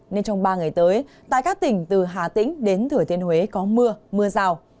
nên trong ba ngày tới tại các tỉnh từ hà tĩnh đến thửa thiên huế có mưa mưa rào